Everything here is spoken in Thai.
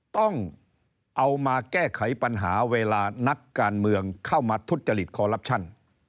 ต้องเอามาแก้ไขปัญหาเวลานักการเมืองเข้ามาทุจริตคอลลับชั่น